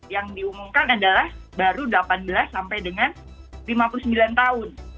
yang diumumkan adalah baru delapan belas sampai dengan lima puluh sembilan tahun